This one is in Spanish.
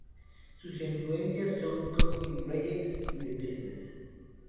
Sus influencias son Cockney Rejects y The Business.